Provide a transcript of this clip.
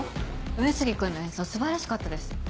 上杉君の演奏素晴らしかったです。